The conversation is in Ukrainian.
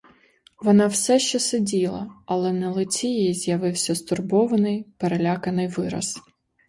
Вона все ще сиділа, але на лиці її з'явився стурбований, переляканий вираз.